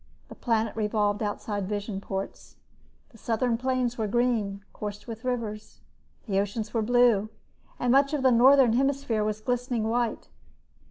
The planet revolved outside the visionports. The southern plains were green, coursed with rivers; the oceans were blue; and much of the northern hemisphere was glistening white.